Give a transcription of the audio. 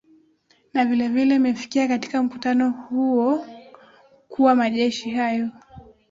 na vilevile imefikia katika mkutano huo kuwa majeshi hayo